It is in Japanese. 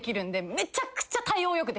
めちゃくちゃ対応よくできる。